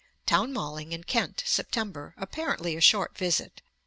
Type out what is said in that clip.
Townmalling in Kent, September; apparently a short visit.